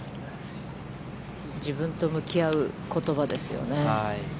自分と向き合う言葉ですよね。